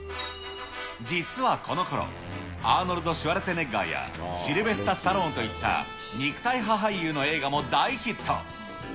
実はこのころ、アーノルド・シュワルツェネッガーや、シルベスター・スタローンといった肉体派俳優の映画も大ヒット。